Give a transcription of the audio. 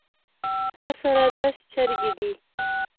تاسره لس چرګې دي